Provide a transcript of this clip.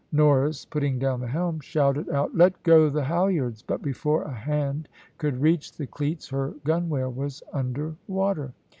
Norris, putting down the helm, shouted out "Let go the halyards!" but before a hand could reach the cleats her gunwale was under water.